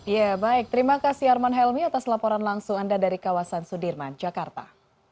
ya baik terima kasih arman helmi atas laporan langsung anda dari kawasan sudirman jakarta